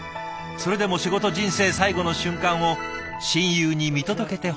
それでも仕事人生最後の瞬間を親友に見届けてほしかった。